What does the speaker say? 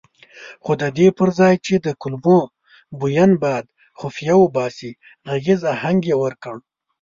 خو ددې پرځای چې د کلمو بوین باد خفیه وباسي غږیز اهنګ یې ورکړ.